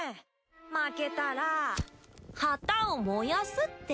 負けたら旗を燃やすって。